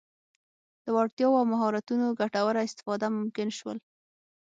له وړتیاوو او مهارتونو ګټوره استفاده ممکن شول.